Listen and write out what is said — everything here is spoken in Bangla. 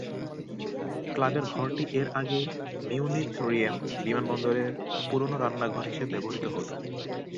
ক্লাবের ঘরটি এর আগে মিউনিখ-রিয়েম বিমানবন্দরের পুরনো রান্নাঘর হিসেবে ব্যবহৃত হত।